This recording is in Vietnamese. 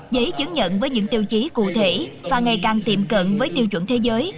giấy chứng nhận với những tiêu chí cụ thể và ngày càng tiềm cận với tiêu chuẩn thế giới